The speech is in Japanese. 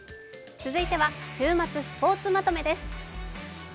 続いては週末スポーツまとめです。